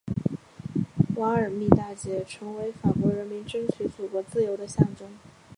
瓦尔密大捷成为法国人民争取祖国自由的象征。